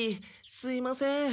すいません。